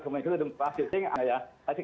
kemungkinan dan memfasilitasi